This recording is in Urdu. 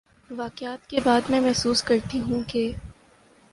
واقعات کے بعد میں محسوس کرتی ہوں کہ